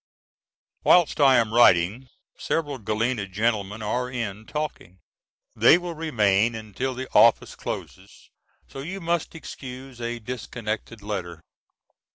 Whilst I am writing several Galena gentlemen are in talking. They will remain until the office closes so you must excuse a disconnected letter.